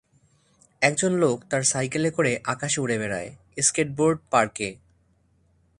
একজন লোক তার সাইকেলে করে আকাশে উড়ে বেড়ায়, স্কেটবোর্ড পার্কে।